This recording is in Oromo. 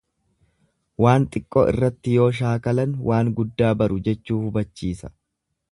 Waan xiqqoo irratti yoo shaakalan waan guddaa baru jechuu hubachiisa.